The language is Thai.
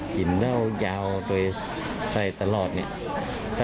กินเหล้ายาวตัวเองใส่ตลอดเนี่ย